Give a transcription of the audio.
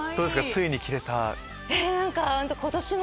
ついに着れた。